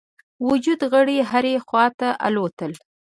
وجود غړي هري خواته الوتل.